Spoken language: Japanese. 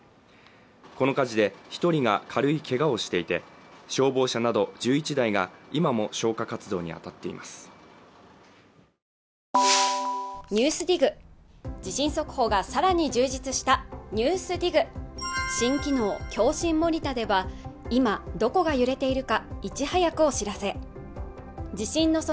この火事で一人が軽いけがをしていて消防車など１１台が今も消火活動にあたっていますママのここにね悪い奴がいるのね。